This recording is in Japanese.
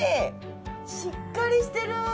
しっかりしてる！